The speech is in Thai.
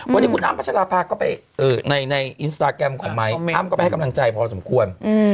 วันนี้คุณอ้ำพัชราภาก็ไปในอินสตาแกรมของไม้อ้ำก็ไปให้กำลังใจพอสมควร